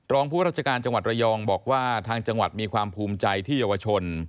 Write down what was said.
ผู้ราชการจังหวัดระยองบอกว่าทางจังหวัดมีความภูมิใจที่เยาวชน